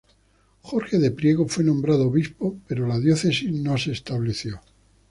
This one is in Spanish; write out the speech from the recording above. Jorge de Priego fue nombrado obispo, pero la diócesis no se estableció.